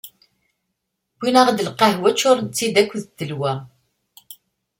Wwin-aɣ-id lqahwa, ččuren-tt-id d ttelwa.